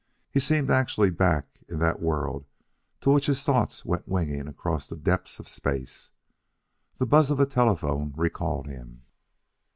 He seemed actually back in that world to which his thoughts went winging across the depths of space. The buzz of a telephone recalled him.